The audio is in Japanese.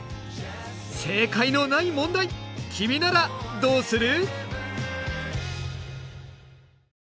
正解のない問題君ならどうする？